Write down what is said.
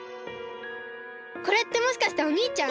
これってもしかしておにいちゃん？